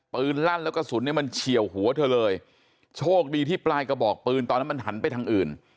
ลั่นแล้วกระสุนเนี่ยมันเฉียวหัวเธอเลยโชคดีที่ปลายกระบอกปืนตอนนั้นมันหันไปทางอื่น